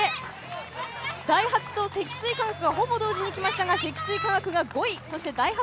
ダイハツと積水化学がほぼ同時にきましたが積水化学が５位。